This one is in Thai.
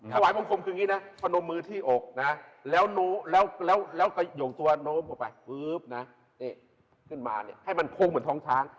ถวายบังคมคือนี่นะเอานมมือที่อกแล้วกระหยงตัวนมออกไปขึ้นมาให้มันพงเหมือนท้องท้าง